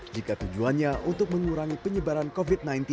jika tujuannya untuk mengurangi penyebaran covid sembilan belas